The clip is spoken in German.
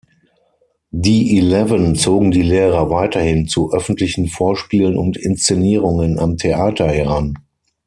Die Eleven zogen die Lehrer weiterhin zu öffentlichen Vorspielen und Inszenierungen am Theater heran.